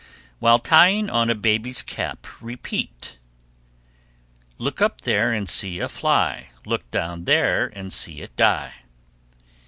While tying on a baby's cap repeat, Look up there and see a fly, Look down there and see it die.